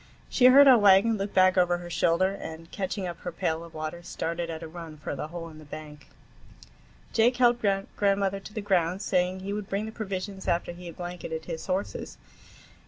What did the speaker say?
She heard our wagon, looked back over her shoulder, and catching up her pail of water, started at a run for the hole in the bank. Jake helped grandmother to the ground, saying he would bring the provisions after he had blanketed his horses.